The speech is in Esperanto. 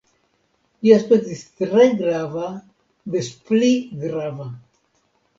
Li aspektis tre grava, des pli grava.